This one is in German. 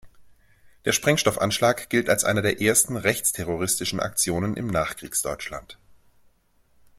Der Sprengstoffanschlag gilt als einer der ersten rechtsterroristischen Aktionen im Nachkriegsdeutschland.